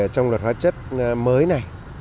trong luật hóa chất mới này